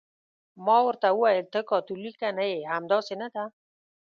ما ورته وویل: ته کاتولیکه نه یې، همداسې نه ده؟